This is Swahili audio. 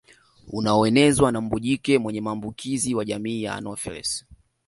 Unaoenezwa na mbu jike mwenye maambukizo wa jamii ya anopheles